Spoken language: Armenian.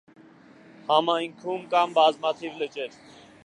Համայնքում կան բազմաթիվ լճեր։